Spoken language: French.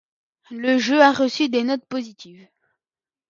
Le jeu a reçu des notes positives.